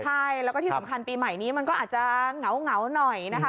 ใช่แล้วก็ที่สำคัญปีใหม่นี้มันก็อาจจะเหงาหน่อยนะคะ